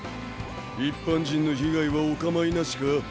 一般人の被害はお構いなしか？